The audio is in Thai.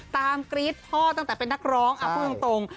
กรี๊ดพ่อตั้งแต่เป็นนักร้องพูดตรง